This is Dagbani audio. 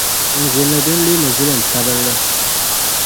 n zilinli din leemi zilin’ tabinli.